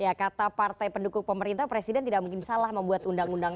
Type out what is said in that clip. ya kata partai pendukung pemerintah presiden tidak mungkin salah membuat undang undang